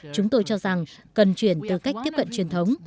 chúng tôi cho rằng cần chuyển từ cách tiếp cận truyền thống